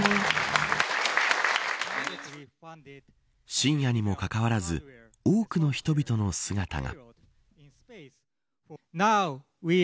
深夜にもかかわらず多くの人々の姿が。